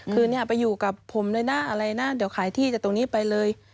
คือเนี่ยไปอยู่กับผมเลยนะอะไรนะเดี๋ยวขายที่จากตรงนี้ไปเลย